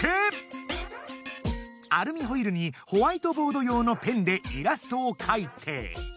アルミホイルにホワイトボード用のペンでイラストをかいて。